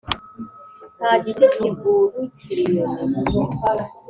Nta giti kigurukira inyoni